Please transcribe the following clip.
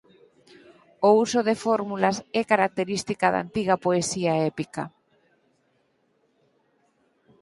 O uso de fórmulas é característica da antiga poesía épica.